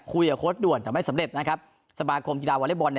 โค้ดด่วนแต่ไม่สำเร็จนะครับสมาคมกีฬาวอเล็กบอลเนี่ย